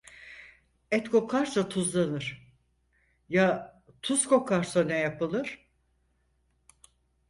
Et kokarsa tuzlanır; ya tuz kokarsa ne yapılır?